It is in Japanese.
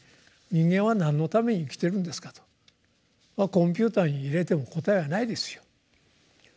「人間は何のために生きているんですか」と。コンピューターに入れても答えはないですよ。